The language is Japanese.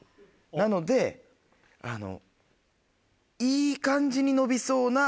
なのであの。